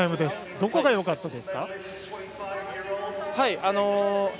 どこがよかったですか？